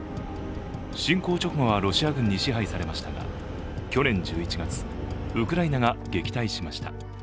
侵攻直後はロシア軍に支配されましたが、去年１１月ウクライナが撃退しました。